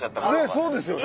そうですよね。